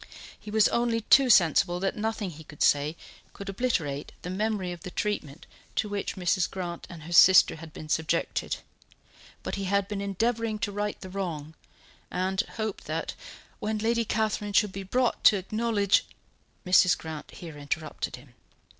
He was only too sensible that nothing he could say could obliterate the memory of the treatment to which Mrs. Grant and her sister had been subjected, but he had been endeavouring to right the wrong, and hoped that "when Lady Catherine should be brought to acknowledge " Mrs. Grant here interrupted him.